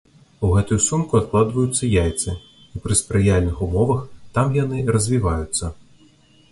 У гэтую сумку адкладваюцца яйцы, і пры спрыяльных умовах там яны развіваюцца.